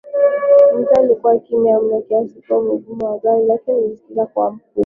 Mitaa ilikuwa kimya mno kiasi kuwa muungurumo wa gari lake ulisikika kuwa mkubwa